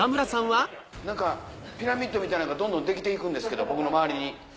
何かピラミッドみたいなんがどんどんできていくんですけど僕の周りに。